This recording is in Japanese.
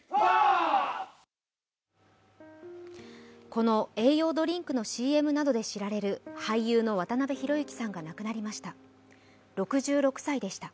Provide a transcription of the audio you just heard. この栄養ドリンクのＣＭなどで知られる俳優の渡辺裕之さんが亡くなりました。